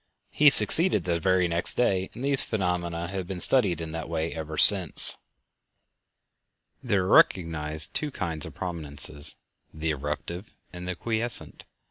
He succeeded the very next day, and these phenomena have been studied in that way ever since. There are recognized two kinds of prominences—the "erruptive" and the "quiescent."